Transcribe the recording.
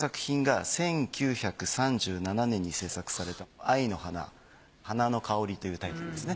左側の作品が１９３７年に制作された『愛の花花の香り』というタイトルですね。